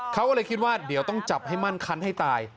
เขาก็เลยคิดว่าเดี๋ยวต้องจับให้มั่นคันให้ตาย